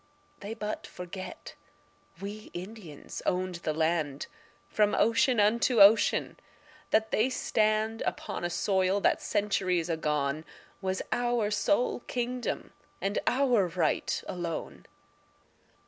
They but forget we Indians owned the land From ocean unto ocean; that they stand Upon a soil that centuries agone Was our sole kingdom and our right alone.